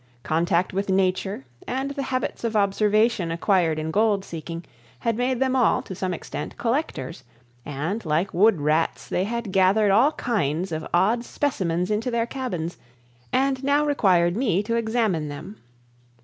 Contact with Nature, and the habits of observation acquired in gold seeking, had made them all, to some extent, collectors, and, like wood rats, they had gathered all kinds of odd specimens into their cabins, and now required me to examine them.